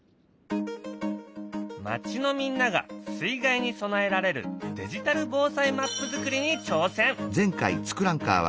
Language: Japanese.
町のみんなが水害に備えられるデジタル防災マップ作りに挑戦！